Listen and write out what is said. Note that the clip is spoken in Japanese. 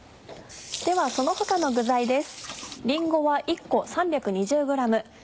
ではその他の具材です。